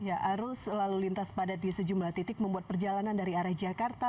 ya arus lalu lintas padat di sejumlah titik membuat perjalanan dari arah jakarta